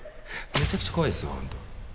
めちゃくちゃ怖いですよ本当。